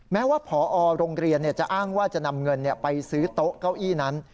แม้ว่าผอโรงเรียนจะอ้างว่าจะนำเงินไปซื้อโต๊ะเก้าอี้นั้น